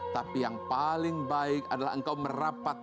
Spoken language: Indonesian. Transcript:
tapi yang paling baik adalah engkau merapat